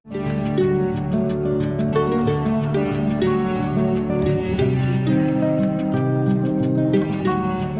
hãy đăng ký kênh để ủng hộ kênh của mình nhé